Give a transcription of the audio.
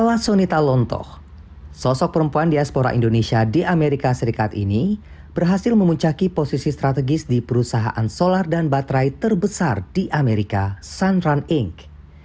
ala sonita lontoh sosok perempuan diaspora indonesia di amerika serikat ini berhasil memuncaki posisi strategis di perusahaan solar dan baterai terbesar di amerika sun run inc